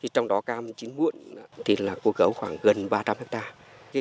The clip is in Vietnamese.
trong đó cam chín muộn thì là cơ cấu khoảng gần ba trăm linh hectare